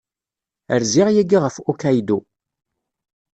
Rziɣ yagi ɣef Hokkaido.